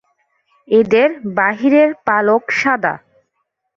এদের বাইরের পালক সাদা।